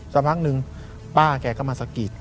สักพักหนึ่งป้าแกก็มาสะกิด